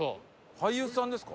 俳優さんですか？